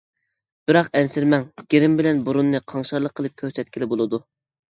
بىراق ئەنسىرىمەڭ، گىرىم بىلەن بۇرۇننى قاڭشارلىق قىلىپ كۆرسەتكىلى بولىدۇ.